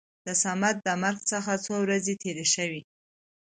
د صمد د مرګ څخه څو ورځې تېرې شوې.